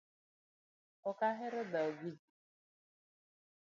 Ok ahero dhao gi ji